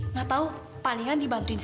nggak tahu paling penting dia bisa ke sini